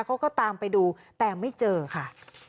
เขาก็ตามไปดูแต่ไม่เจอค่ะ